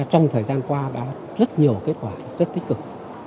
trong thời gian qua đã rất nhiều kết quả rất tích cực